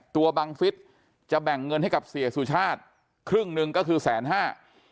บังฟิศจะแบ่งเงินให้กับเสียสุชาติครึ่งหนึ่งก็คือแสนห้า